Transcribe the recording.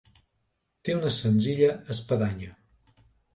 Té una senzilla espadanya.